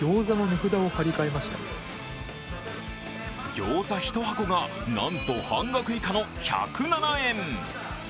ギョーザ１箱がなんと半額以下の１０７円。